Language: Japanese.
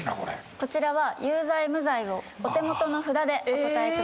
こちらは有罪無罪をお手元の札でお答えください。